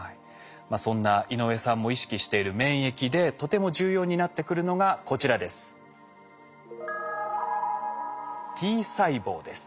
そんな井上さんも意識している免疫でとても重要になってくるのがこちらです。